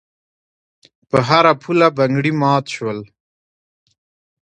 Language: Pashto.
په هر پوله بنګړي مات شول.